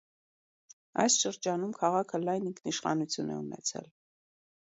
Այս շրջանում քաղաքը լայն ինքնիշխանություն է ունեցել։